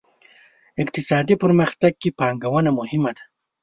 اقتصادي پرمختګ کې پانګونه مهمه ده.